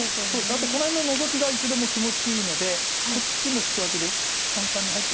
あとこの辺のノゾキがいつでも気持ちいいのでこっちもスソアキで三々に入って。